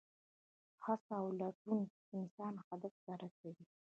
هڅه او لټون انسان هدف ته رسوي.